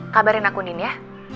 kabarin aku andin ya